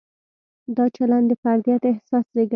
دا چلند د فردیت احساس زېږوي.